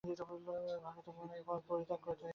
ভারতীয় মন ঐ পথ পরিত্যাগ করিতে বাধ্য হইয়াছিল।